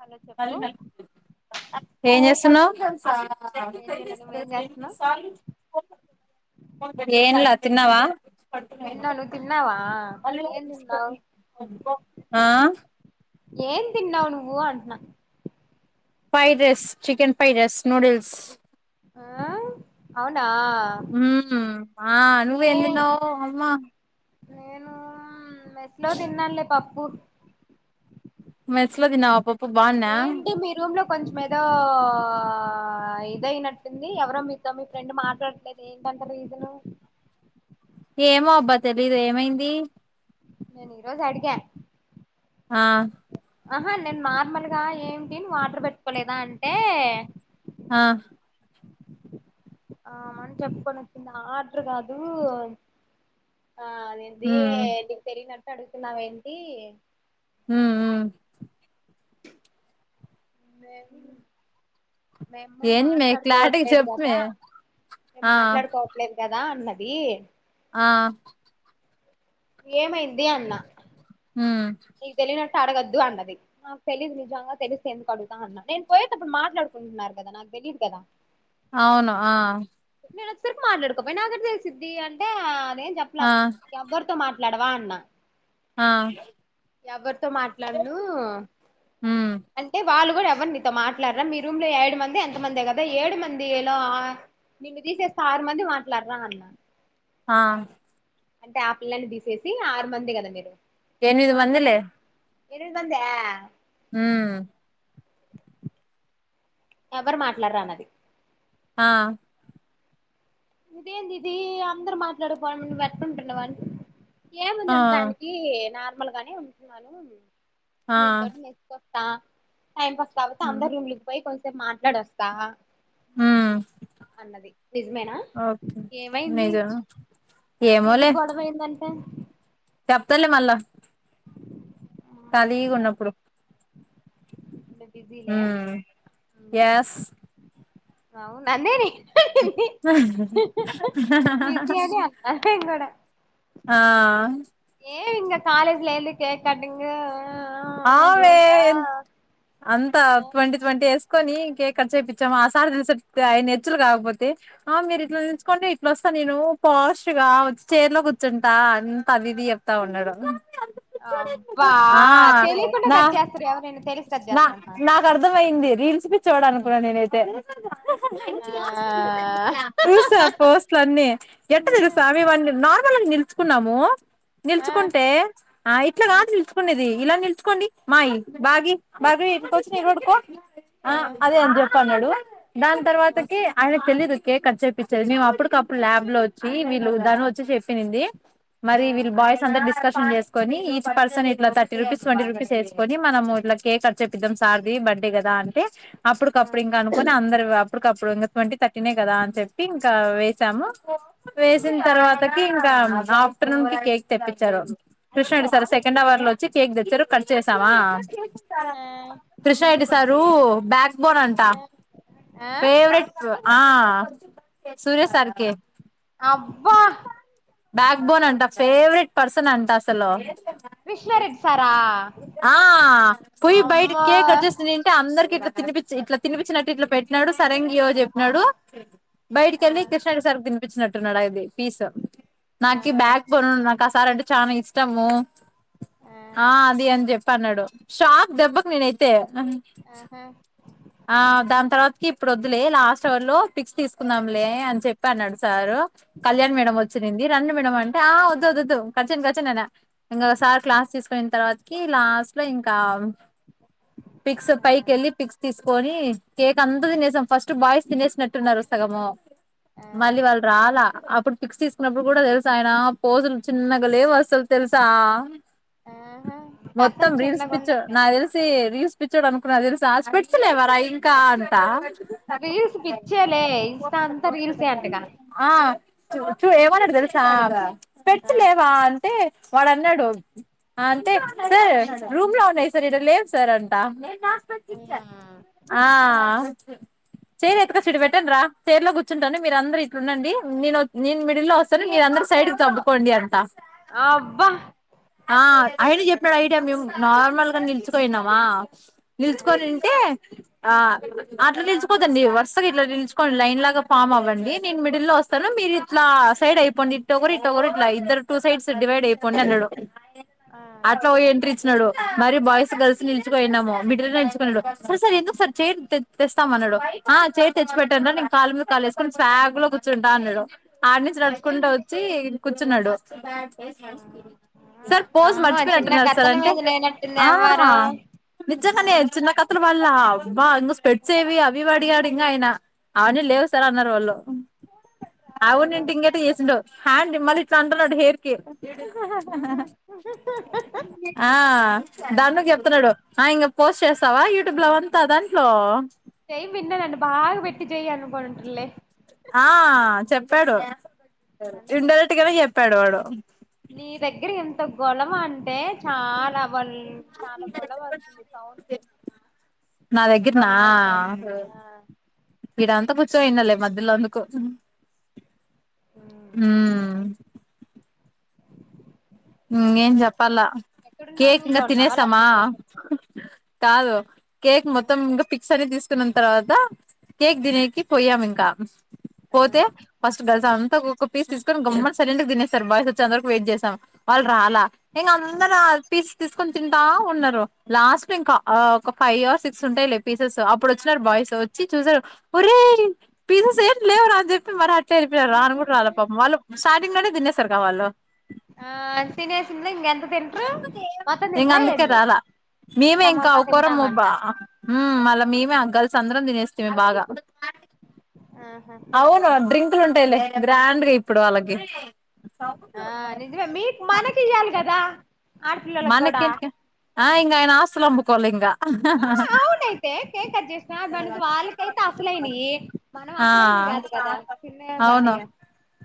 Hello చెప్పు ఏం చేస్తున్నావ్ ఏం చేయాల నువ్వేం చేస్తున్నావు ఏం ల తిన్నావా తిన్నా, నువ్ తిన్నావా ఏం దిన్నావ్ ఆ ఏం తిన్నావ్ నువ్వూ అంట్నా ఫైడ్రెస్ చికెన్ ఫైడ్రైస్ నూడిల్స్ ఆ అవును మ్మ్ ఆ నువ్వెందిన్నవ్ అమ్మా నేనూ మెస్లో తిన్నాన్లే పప్పు మెస్లో తిన్నావా బాగున్నా ఏంటి మీ రూమ్ లొ కొంచ్మేదో ఇదయినట్టుంది ఎవరో మీతో మీ ఫ్రెండ్ మాట్లాడలేదే ఏంటంట రీజనూ ఏమో అబ్బ తెలీదు ఏమైందీ నేనీరోజడిగా ఆ ఆహా నేన్ నార్మల్గా ఏంటినువ్ వాట్ర్ పెట్టుకోలేదా అంటే ఆ ఆ మని చెప్పుకొనొచ్చింది ఆ ఆడ్రు కాదూ ఆ అదేందీ మ్మ్ నిక్ తెలియనట్ అడుగుతున్నావ్ ఏంటి హూ ఊ మేం మేము ఏంది మే క్లారిటీగా మాట్లాడుకోవట్లేదు చెప్పు మే గదా మేం ఆ మాట్లాడుకోవట్లేదు గదా అన్నది రీ ఆ ఏమైంది, అన్న హు టే అడగద్దు అన్నది నాక్ తెలీదు నిజంగా తెలిస్తే ఎందుకు అడుగుతా అన్న నేన్ పోయేటప్పుడు మాట్లాడుకుంట్నారు కదా నాక్ వెళ్ళిరుకదా హవును ఆ నేనొచ్సరికి మాట్లాడుకోపాయె నాకెట్ల తెలిసిద్ది అంటే ఆ అదేం చెప్లా ఆ ఎవ్వరితో మాట్ ట్లడవా అన్నా ఆ ఎవ్వరితో మాట్లాడ్నూ మ్మ్ అంటే వాళ్ళు ఎవ్వర్ నితో మాట్లాడ్రా మీ రూమ్ లో ఏడు మంది ఎంత మందొ కదా ఏడు మంది ఏలా నిన్ను తీసేస్తారు మంది మాట్లాడ్రా అన్న ఆహ్ అంటే ఆపిల్లని దీసేసి ఆరు మందే కదా మీరు ఎనిమిది మందిలే మాట్లాడండి ఎనిమిది మందా ఆ... ఎవ్వరు మాట్లాడరా అన్నది ఆ ఇదేందిది అందురు మాట్లాడకపోవడం ఎట్టటుంటున్నావ్ అ ఆ ఏముంది ఉండడానికి నార్మల్ గానే ఉంటున్నాను ఆ మీన్తోటి నేర్చుకొ త టైం పాస్ కాపోతే హ్మ్ అందరు రూమ్లుకి పోయి కొంతసేపు మాట్లాడొస్తా హ్మ్ అన్నది నిజమేనా ఓకే ఏమైంది నిజమే ఎందుకు గొడవయిందంటే చెప్తలే మళ్ళా ఖాళీగా ఉన్నప్పుడు బిజీలే ఉమ్మ్ ఎస్ అవ్ నందినీ మిర్యాని అన్న నేన్ గూడ ఆ లేదు ఇంగ కాలేజ్ లో ఎళ్ళి కేక్ కటింగు అవే అంత ట్వంటీ ట్వంటీ ఎస్ కొని కేక్ కట్ చేయిపిచ్చామ ఆ సార్ చుసారు నెర్చులు కాకపోతే ఆ మీరు ఇట్లా నిల్చుకొండి ఇట్లా వస్త నేను ఫాస్ట్ గా వచ్చి చైర్లో కూర్చుంటా అంత విది చెప్తా ఉన్నాడో అబ్బా తెలికుండ నా గట్ చేస్తార ఎవరైన నా నాకు అర్థమయింది రీల్స్ పిచ్చోడనుకున్న నేనైతే ఆ చూసా పోస్ట్ల అన్నీ ఎట్ట తెలుసా మీ వన్ని నార్ మనం నిల్చుకున్నాము ఆ నిల్చుకుంటే ఆ ఇట్లా కాదు నిల్బుకునేది ఇలా నిల్బుకోండి మాయీ బాగి బాగీ ఎనకొచ్చి నిరుడుకో ఆ అదే అని చెప్పి అన్నాడు దాని తర్వాతకి ఆయనకు తెలిదు కేక్ కట్ చేప్పచ్చేది మేము అప్పుటికప్పుడు ల్యాబ్ లో వచ్చి వీళ్ళు ధన వచ్చి చెప్పి ఇనింది మరి వీల్ బాయస్ అందరు డిస్కస్ షన్ చేస్కొని ఈచ్ పర్సన్ ఇట్లా థర్టీ రూపీస్ ట్వంటీ రూపీస్ ఎస్కొని మనము ఇట్లా కేక్ కట్ చెప్పిద్దాం సార్ది బడ్డె కదా అంటే ఆ ఆ అప్పుటికప్పుడు ఇంక అనుకొని అందరు అప్పటికప్పుడు ఇంకా ట్వంటీ థర్టీనే కదా అని చెప్పి ఇంకా వేసాము వేసిన తర్వాతకి ఇంకా ఆఫ్టర్నూన్ కి కేక్ తెప్పించారు కృష్ణారెడ్డి సార్ సెకండ్ అవర్ లో వచ్చి కేక్ తెచ్చారు కట్ చేసామా కృష్ణారెడ్డి సారు బ్యాక్ బోన్ అంట ఆ ఆ ఫేవరెట్ ఆ సూర్య సార్కే అబ్బా బ్యాక్ బోన్ అంట ఫేవరెట్ పర్సన్ అంటా అస్సలు కృష్ణారెడ్డి సారా ఆ.... పోయి బైట అమ్మో కేక్ కట్ జేస్తదిఇంటా అందరికి ఇట్లా తినిపించి ఇట్లా తినిపించినట్టు ఇట్లా పెట్టినాడు సరే గియో జెప్పినాడు ఆ బయటకెళ్ళి కృష్ణారెడ్డి సార్ తిపించినట్టు టున్ డైది పీస్ ఆ నాకు బ్యాగ్ గొన్నున్న నాకు ఆ సార్ అంటే చానా ఇష్టము ఆ అది అని జెప్పి అన్నాడు షాక్ దెబ్బకి నేనైతే ఆహా ఆ దాని తర్వాతకి ఇప్పుడు వద్దులే లాస్ట్ అవర్ లో పిక్స్ తీసుకుందాంలే అని చెప్పి అన్నాడు సారు కళ్యాణ్ ఆ మేడం వచ్చింది రండి మేడం అ టా వద్దొ దొద్దు కట్ కట్ చెయను నేనా ఇంగసారి క్లాస్ తీసుకొనిన్ తర్వాతకి లాస్ట్ లో ఇం కావు పిక్స్ ఆ పైకి వెళ్ళి పిక్స్ తీసుకొని కేక్ అంత తినేసాం ఫస్ట్ బాయ్స్ తినేసినట్టున్నారు ఆ మళ్ళీ వాళ్ళు రాల ఇప్పుడు పిక్స్ తీసుకున్నప్పుడు కూడ తెలుసా ఆయన పోజులు చిన్నగా లేవు అసలు తెలుసా ఆహా కథల్ చిన్ [unintelligible] నా తెలిసి రీస్ పిచ్చోడు అనుకున్నా తెలిస స్పెక్ట్స్ లేవరా ఇంకా అంటా రీల్స్ పిచ్చేలే ఇన్స్టా అంతా రీల్సే అంట గా ఆ చూ ఏమన్నాడు తెలుసా స్పెక్ట్స్ లేవా అంటే వాడు అన్నాడు అంతే రూమ్ లో ఉన్నాయి సార్ ఈడ లేవు సార్ అంటా [unintelligible] [unintelligible] మీరు అందరు ఇట్లు ఉండండి నేను నేను మిడిల్ లో వస్తాను మీరు అందరు సైడ్కి తబ్కోండి అంట అబ్బ ఆ అయిన చెప్పినాడు ఐడియా మేము నార్మల్ గా నిల్చోకొనినమా నిల్చుకొనుంటే ఆ అట్ల నిలుచుకోదండి వరుసగా ఇట్ల నిలుచుకోండి లైన్ లాగ ఫామ్ అవ్వండి నేను మిడిల్ లో వస్తాను మీరు ఇట్ల సైడ్ అయిపోండి ఇట్ ఒకరు ఇ ఒకరు ఇట్ ఇద్దరు టు సైడ్స్ డివైడ్ అయిపోండి అన్నాడు ఆ అట్ల ఓ ఎంట్రీ ఇచ్చినాడు మరి బాయ్స్ గర్ల్స్ నిలిచుకోయినాము మిడిల్ లో [unintelligible] సార్ సార్ ఎందుకు సార్ చేరు తె తెస్తాము అన్నాడు ఆ చేరు తెచ్చి పెట్టండి రా నేను కాళ్ళ మీద కాళ వేసుకొని స్వాగ్ లో కూర్చుంటా అన్నాడు ఆడి నుంచి నడుచుకుంటూ వచ్చి కూర్చున్నాడు సార్ పోజు అమ్మో చిన్న మర్చిపోయినట్టున్నారు సార్ కథల అంటే మీద లేనట్టుంది ఆ ఎవ్వరం ఆ నిజంగానే చిన్న కథలు వల్ళ అబ్బా ఇంగ స్ప్రెట్స్స ఏవి అవి అడిగాడు ఇంగ అయన అవన్నీ లేవు సార్ అన్నారు వాళ్ళు ఆహా అవునుంటె ఇంకేట చేసిండడు హ్యాండ్ మళ్ళీ ఇట్లా అంటున్నాడు హెయిర్ కి ఆహా ఆ దాన్ని చెప్తున్నాడు [unintelligible] పోస్ట్ చేస్తావ యూట్యూబ్ లో అవంత దాంట్లో [unintelligible] బాగా పెట్టి జయ అను పోంటలే ఆ చెప్పాడు అదే ఇండైరెక్ట్గానే చెప్పాడు వాడు నీ దగ్గర ఎంత గొలమ అంటే చాల వల్ చాలా గొడవ వస్తుంది సౌండ్స్ ఆ [unintelligible] మధ్యలో అందుకు ఏం ఏమైతే చెప్పాలా ఎక్కడున్నావు కేక్ రూమ్ లో ఇంగా ఉన్నావా తినేసమా లేకపోతే బయట ఉన్నావా కాదు కేక్ మొత్తం ఇంకా పిక్స్ అని తీసు తినిన తర్వాత కేక్ దినేకి పోయ్యాం ఇంక పోతే ఫస్ట్ గర్ల్స్ అంతా ఒకోక పీస్ గమ్మట్ సె తినేస్తారు బాయస్ వచ్చి అందరకు వెయిట్ చేసాం వాళ్ళుాల ఇంకా అందరు తీసుకొని తింటా ఉన్నారు లాస్ట్ ఇంకా ఒక ఫైవ్ అర్ సిక్స్ ఉంటాయి పీసెస్ అప్పుడు వచ్చినారు బాయ వ వచ్చి చూసారు ఒరే పిసేస్ ఏ లేవు అని చెప్పి మ [unintelligible] పాపం వాళ్ళు స్టార్టింగ్ లోనే తినేసారు కా వాళ్ళు ఎంత తింట్ర మత్తా ఇంగ తింటరా అందుకే ఎల్ రాలా మేమే ఇంకా ఒకరబ్బా మళ్ళా మేమే గల్ చంద్రం తినేస్థిమి బాగ ఆహా అవును డ్రింకులు ఉంటాయిలే గ్రాండ్గ ఇప్పుడు వాళ్ళకి ఆ నిజమే మీ మనకి ఇయ్యాలి కదా ఆడపిల్లలకి కూడా మనకేంటి ఆ ఇంక అయన ఆస్తులు అమ్ముకోవాలే ఇంక అయితే కేక్ కట్ చేసిన మన వాళ్ళకైతే అసలైనయి మనం ఆ అసలయినయి కాదు కదా అవును [unintelligible]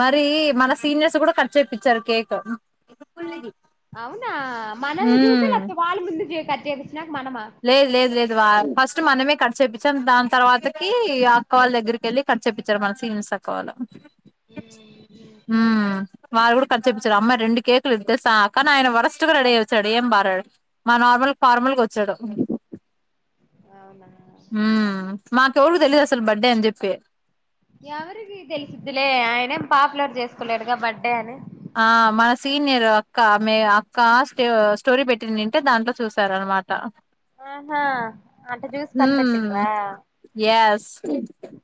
మరి మన సీనియర్స్ కూడ కట్ చేపించారు కేక్ అవునా మనల్ని చూసి ఉమ్ లేకపోతే వాళ్ళ ముందు చే కట్ చెయి లేదు లేదు లేదు వాల్ ఫస్ట్ మనమే కట్ చేపిచ్చాం దాని తర్వాతకి అక్క వాళ్ళ దగ్గరికి వెళ్ళి కట్ చెపిచ్చారు మన సీనియర్స్ అక్కవాళ్ళు మ్ వాళ్ళు కూడా కట్ చెపిచ్చాడు అమ్మా రెండు కేకులు తెలుసా కానీ ఆయన వరస్ట్గా రెడీ అయ్యోచ్చాడు ఏం బాగా రెడీ మా నార్మల్ ఫార్మల్ గా వ చ్చాడు. అవునా ఆమ్ మాకు ఎవరికి తెలీదు అసలు బర్డే అని చెప్పి ఎవరికి తెలిసిద్ధిలే ఆయన ఏం పాపులర్ చేసుకోలేడుగా బర్త్డే అని ఆహ్ మన సీనియర్ అక్క ఆమే అక్క స్టోరీ పెట్టి ఉంటే దాంట్లో చూసార మాట ఆహా అట్ట చూసి కనిపెట్టిన్రా ఎస్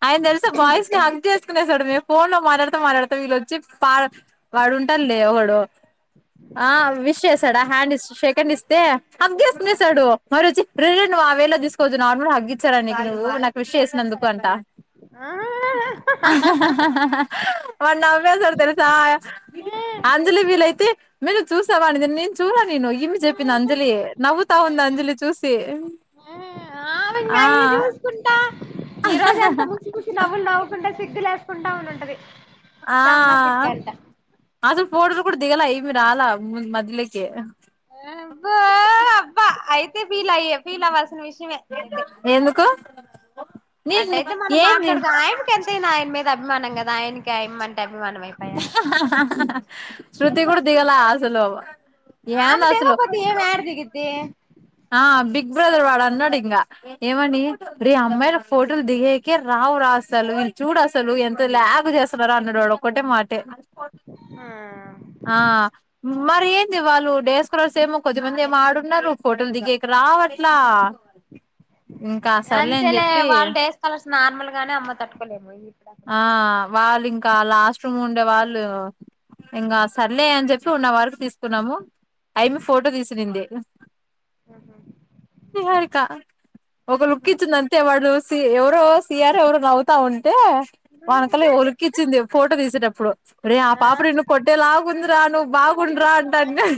ఆయన తెల్సా బాయ్స్ ని చేసుకునేసాడు మేము ఫోన్ లో మాట్లాడుతా మాట్లాడుతా వీళ్ళొచ్చి వాడు వాడుంటడు లే ఒకడు ఆహ్ విష్ ఆ చేసాడా హ్యాండ్ ఇస్తే షేక్ హ్యాండ్ ఇస్తే హాగ్ చేసుకునేసాడు వాడొచి రేయ్ నువ్వు ఆ వే లో తీసుకోవద్దు నార్మల్ గా హాగ్ ఇచ్చారా నీకు నువ్వు నాకు విష్ చేసినందుకు అంటా ఆ ఆహ్ ఆహ్ ఆహ్ ఆహ్ వాడు నవ్వేసాడు తెలుసా అంజలి వీలైతే మీరు చూసావాడిని నేను చూడలేదు నేను ఇన్ని చెప్పిన అంజలి నవ్వుతా ఉంది అంజలి చూసి ఆహ్ ఆహ్ ఆమె ఆ అయ్యి చూసుకుంటా ఈ రోజు ఎంత ముసి ముసి నవ్వులు నవ్వుకుంట సిగ్గులేసుకుంటా ఉండుంటది. ఆహ్ అసలు పోటోలు కూడా దిగలా ఇయి మే రాల మద్యలోకి అబ్బో అబ్బా అయితే ఫీలయ్యే ఫీల్ అవ్వాల్సిన విషయమే అయితే ఎందుకు నీ అట్లయితే మనం ఏంది మాట్లాడుదాం ఆయనకి ఎంతయినా ఆయన మీద అభిమానం కదా ఆయనకి ఆయమ్మంటే అభిమానం అయిపాయే ఆహ్ ఆహ్ ఆహ్ ఆహ్ శృతి కూడా దిగల అసలు ఆమె ఏంది అసలు దిగపోతే ఈమె యాడ దిగిద్ది ఆ బిగ్ బ్రదర్ వాడు అన్నాడు ఇంకా ఏమని రేయ్ అమ్మాయిల ఫోటోలు దిగాకే రా రావురా అసలు వీళ్ళు చూడు అసలు ఎంత లాగ్ చేస్తున్నరో అన్నడు వాడు ఒక్కటే మాటే ఆ మరి ఏంది వాళ్ళు డే స్కాలర్స్ ఏమో కొద్దిమంది ఏమో ఆడున్నరు ఫోటోలు దిగాక రావట్లా ఇంకా సర్లే అని అంతేలే చెప్పి వాళ్ళు డే స్కాలర్స్ నార్మల్ గానే అమ్మో తట్టుకోలేము ఇప్పుడు అక్కడక్కడ ఆహ్ వాళ్లింకా ఇంకా లాస్ట్ రూమ్ ఉండే వాళ్ళు ఇంకా సర్లే అని చెప్పి ఉన్నవరకు తీసుకున్నాము. ఆమె ఫోటో తీసి అనింది నిహారిక ఒక లుక్ ఇచ్చింది అంతే వాడు సి ఎవరో సియర్ ఎవరో నవ్వుతా ఉంటే వానకల్ ఓ లుక్ కిచ్చింది ఫోటో తీసేటప్పుడు ఇప్పుడు అరే ఆ పాప నిన్ను కొట్టేలాగుందిరా నువ్వు బాగుండురా అంటది.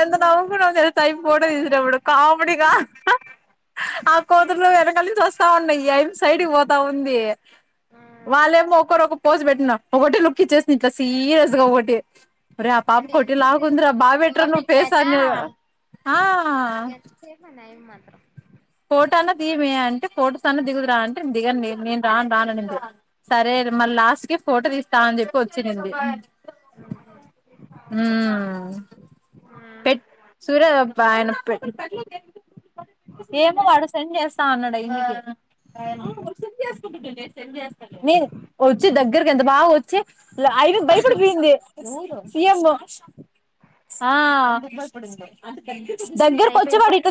ఎంత నవ్వుకున్నాము తెలుసా ఈ ఫోటో తీసేటప్పుడు కామెడిగా ఆ కోతులు వెనకాల నుంచి వస్తాఉన్నయి ఇది సైడ్కి పోతాఉంది వాళ్ళేమో ఒకరోక పోజ్ పెట్టినారు ఒకటి లుక్ ఇచ్చేసింది ఇట్లా సీరియస్ గా ఒకటి రేయ్ ఆ పాపు అంటే ఎంతసేపు కొట్టేలాగుందిర అండి బాగా పెట్టురా నువ్వు ఓపిక ఫేస్ లేక అని ఆహ్ ఎంతసేపు అని అవి మాత్రం ఫోటో అన్న తీయవే అంటే ఫోటోస్ అన్నా దిగుదురా అంటే నేను దిగ నేను రాను రానంది సరే మళ్ళీ లాస్ట్ కి ఫోటో తీస్తామని చెప్పి వచ్చింది ఉమ్ పెట్ సూరబ్బా ఆయన పె ఏమో వాడు సెండ్ చేస్తా అన్నాడు నేను వచ్చి దగ్గరకి ఎంత బాగా వచ్చి ఆయనకి భయపడిపోయింది సిఏం ఆ దగ్గర అయిపోయింది కొచ్చివాడి